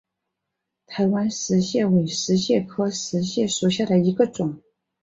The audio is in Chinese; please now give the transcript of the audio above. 台湾石蟹为石蟹科石蟹属下的一个种。